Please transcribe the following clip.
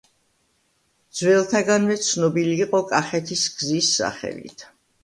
ძველთაგანვე ცნობილი იყო კახეთის გზის სახელით.